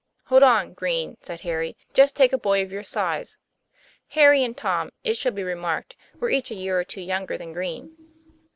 ' Hold on, Green," said Harry. " Just take a boy of your size." Harry and Tom, it should be remarked, were each 4 year or two younger than Green.